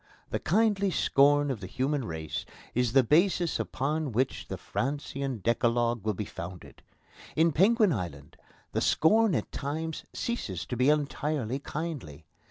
The kindly scorn of the human race is the basis upon which the Francian Decalogue will be founded. In Penguin Island the scorn at times ceases to be entirely kindly.